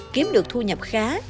kiếm được thu nhập khá